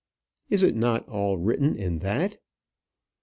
Is it not all written in that?